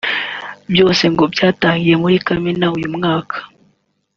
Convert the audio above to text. Byose ngo byatangiye muri Kamena uyu mwaka